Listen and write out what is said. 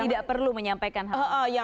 tidak perlu menyampaikan hal